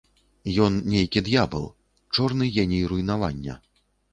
Ён нейкі д'ябал, чорны геній руйнавання.